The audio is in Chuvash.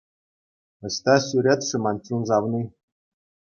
Ӑҫта ҫӳрет-ши ман чун савни?